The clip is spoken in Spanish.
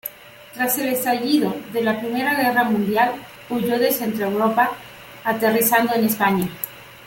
Tras el estallido de la Primera Guerra Mundial, huyó de Centroeuropa, aterrizando en España.